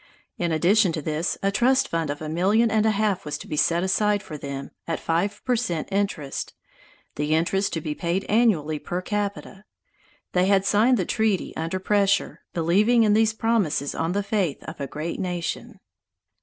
In addition to this, a trust fund of a million and a half was to be set aside for them, at five per cent interest, the interest to be paid annually per capita. They had signed the treaty under pressure, believing in these promises on the faith of a great nation.